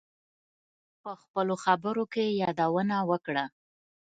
په خپلو خبرو کې یادونه وکړه.